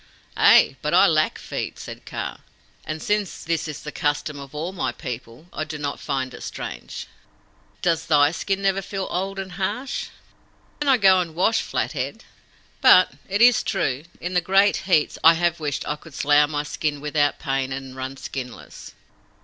"Ay, but I lack feet," said Kaa; "and since this is the custom of all my people, I do not find it strange. Does thy skin never feel old and harsh?" "Then go I and wash, Flathead; but, it is true, in the great heats I have wished I could slough my skin without pain, and run skinless."